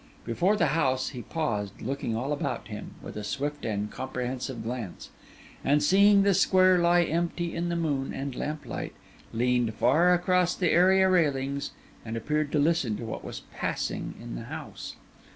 Before the house he paused, looked all about him with a swift and comprehensive glance; and seeing the square lie empty in the moon and lamplight, leaned far across the area railings and appeared to listen to what was passing in the house.